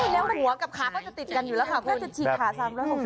แล้วหัวกับขาก็จะติดกันอยู่แล้วค่ะคุณ